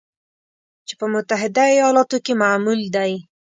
چې په متحده ایالاتو کې معمول دی